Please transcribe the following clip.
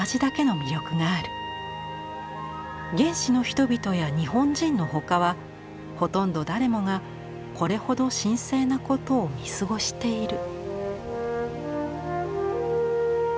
原始の人々や日本人のほかはほとんど誰もがこれほど神聖なことを見過ごしている」。